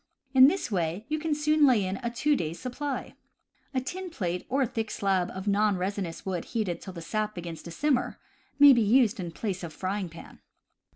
In this way you can soon lay in a two days' supply. A tin plate, or a thick slab of non resinous wood heated till the sap begins to simmer, may be used in place of frying pan.